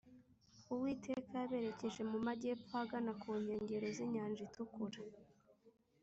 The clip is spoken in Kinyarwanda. uwiteka yaberekeje mu majyepfo ahagana ku nkengero z’inyanja itukura.